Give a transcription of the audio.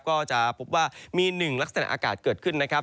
ก็จะพบว่ามีหนึ่งลักษณะอากาศเกิดขึ้นนะครับ